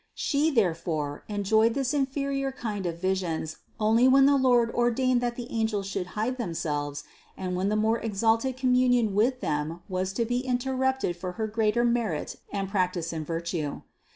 She, therefore, enjoyed this inferior kind of visions only when the Lord ordained that the angels should hide themselves and when the more exalted com munion with them was to be interrupted for her greater merit and practice in virtue.